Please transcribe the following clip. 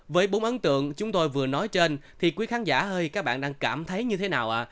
với bốn ấn tượng chúng tôi vừa nói trên thì quý khán giả hơi các bạn đang cảm thấy như thế nào